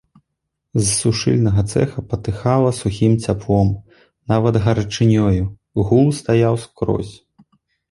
З сушыльнага цэха патыхала сухім цяплом, нават гарачынёю, гул стаяў скрозь.